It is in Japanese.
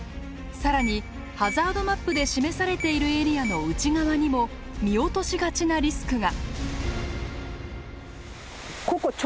更にハザードマップで示されているエリアの内側にも見落としがちなリスクが。